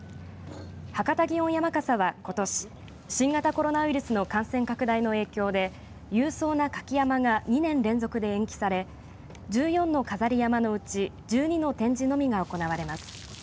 博多祇園山笠は、ことし新型コロナウイルスの感染拡大の影響で勇壮な舁き山笠が２年連続で延期され１４の飾り山笠のうち１２の展示のみが行われます。